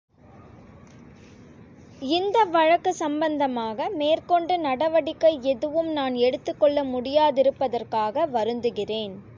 இந்த வழக்கு சம்பந்தமாக மேற்கொண்டு நடவடிக்கை எதுவும் நான் எடுத்துக்கொள்ள முடியாதிருப்பதற்காக வருந்துகிறேன்.